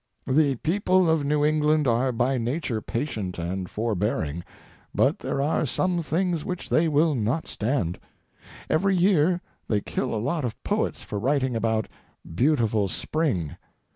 The people of New England are by nature patient and forbearing, but there are some things which they will not stand. Every year they kill a lot of poets for writing about "Beautiful Spring."